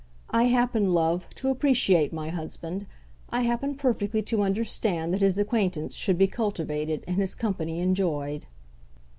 I happen, love, to appreciate my husband I happen perfectly to understand that his acquaintance should be cultivated and his company enjoyed."